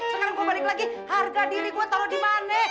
sekarang gue balik lagi harga diri gue tau lo dimana